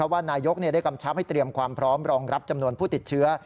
ว่านายกได้กำชับให้เตรียมความพร้อมรองรับจำนวนผู้ติดเชื้อ